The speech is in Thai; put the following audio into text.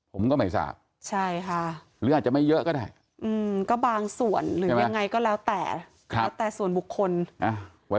ผมก็ไม่ทราบใช่ค่ะหรืออาจจะไม่เยอะก็ได้ก็บางส่วนหรือยังไงก็แล้วแต่แล้วแต่ส่วนบุคคลไว้